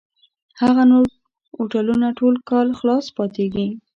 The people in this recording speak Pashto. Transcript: هغه نور هوټلونه ټول کال خلاص پاتېږي.